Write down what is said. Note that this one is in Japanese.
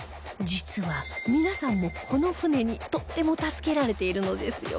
実は皆さんもこの船にとっても助けられているのですよ